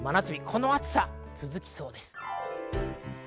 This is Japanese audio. この暑さ、続きそうです。